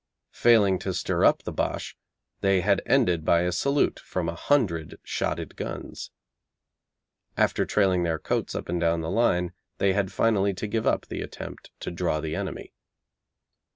Failing to stir up the Boche, they had ended by a salute from a hundred shotted guns. After trailing their coats up and down the line they had finally to give up the attempt to draw the enemy.